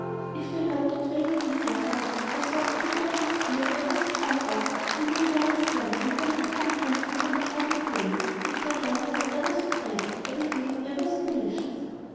If they heard the twang of an arrow or saw the glitter of a spear, ever so far off, they lay very still, and were not to be tempted from their hiding place, if their hunger was ever so great, or the game ever so delicious.